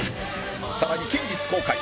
さらに近日公開